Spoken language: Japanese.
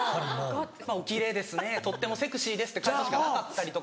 「お奇麗ですねとってもセクシーです」って返すしかなかったりとか。